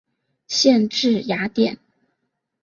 县治雅典。